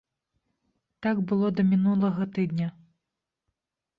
Так было да мінулага тыдня.